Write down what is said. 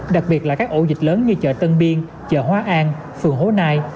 đặc biệt là các ổ dịch lớn như chợ tân biên chợ hóa an phường hố nai